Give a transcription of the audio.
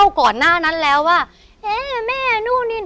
ก่อนหน้านั้นแล้วว่าเอ๊ะแม่นู่นนี่